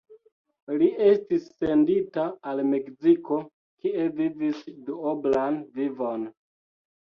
Li estis sendita al Meksiko, kie vivis duoblan vivon.